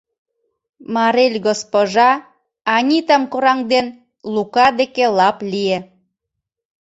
Марель госпожа, Анитам кораҥден, Лука деке лап лие.